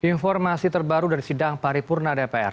informasi terbaru dari sidang paripurna dpr